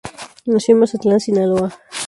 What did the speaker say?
Nació en Mazatlán, Sinaloa.